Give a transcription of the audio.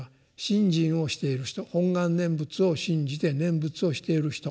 信心をしている人「本願念仏」を信じて念仏をしている人